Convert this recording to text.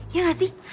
ya gak sih